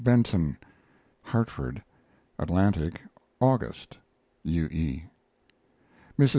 BENTON (Hartford) Atlantic, August. U. E. MRS.